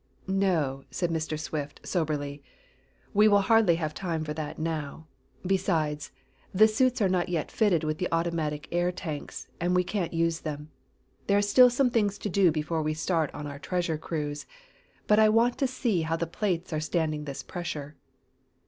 "No," said Mr. Swift soberly. "We will hardly have time for that now. Besides, the suits are not yet fitted with the automatic air tanks, and we can't use them. There are still some things to do before we start on our treasure cruise. But I want to see how the plates are standing this pressure."